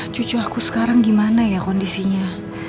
cucu aku sekarang gimana ya kondisinya